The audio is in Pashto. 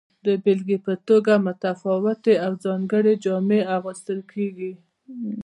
د بیلګې په توګه متفاوتې او ځانګړې جامې اغوستل کیږي.